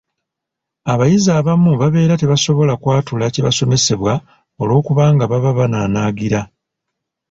Abayizi abamu babeera tebasobola kwatula kibasomesebwa olw’okubanga baba bananaagira.